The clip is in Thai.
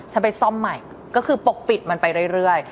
ไปซ่อมใหม่ก็คือปกปิดมันไปเรื่อย